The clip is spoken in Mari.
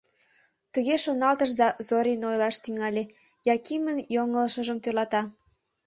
Тыге шоналтыш да Зорин ойлаш тӱҥале, Якимын йоҥылышыжым тӧрлата.